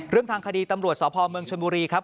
ทางคดีตำรวจสพเมืองชนบุรีครับ